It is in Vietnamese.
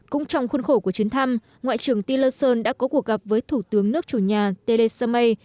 cũng trong khuôn khổ của chiến thăm ngoại trưởng tillerson đã có cuộc gặp với thủ tướng nước chủ nhà t l samay